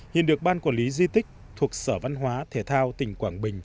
hiện được ban quản lý di tích thuộc sở văn hóa thể thao tỉnh quảng bình